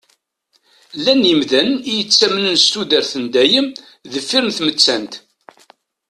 Llan yemdanen i yettamnen s tudert n dayem deffir n tmettant.